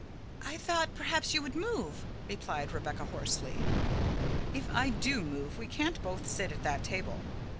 "I thought perhaps you would move," replied Rebecca hoarsely. "If I do move, we can't both sit at that table.